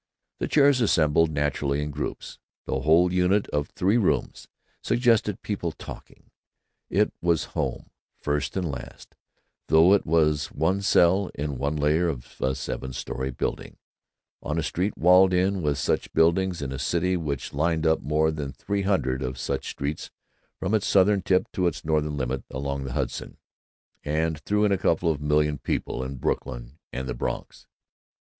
The chairs assembled naturally in groups. The whole unit of three rooms suggested people talking.... It was home, first and last, though it was one cell in one layer of a seven story building, on a street walled in with such buildings, in a city which lined up more than three hundred of such streets from its southern tip to its northern limit along the Hudson, and threw in a couple of million people in Brooklyn and the Bronx.